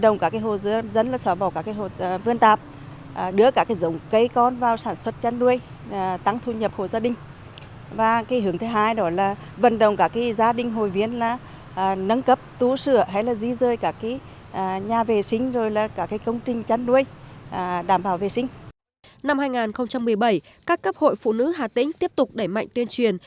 năm hai nghìn một mươi bảy các cấp hội phụ nữ hà tĩnh tiếp tục đẩy mạnh tuyên truyền